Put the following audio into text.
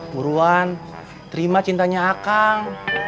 muruan terima cintanya akang